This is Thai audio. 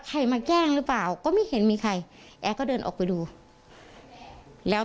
ใครมาแกล้งหรือเปล่าก็ไม่เห็นมีใครแอร์ก็เดินออกไปดูแล้ว